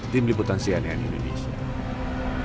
tim liputan sianian indonesia